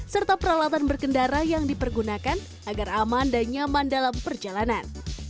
serta peralatan berkendara yang dipergunakan agar aman dan nyaman dalam perjalanan